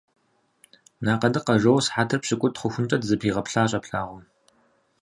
Накъэдыкъэ жоу сыхьэтыр пщыкӏут хъухункӏэ дызэпигъэплъащ а плъагъум.